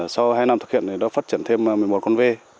sau hai năm thực hiện thì đã phát triển thêm một mươi một con v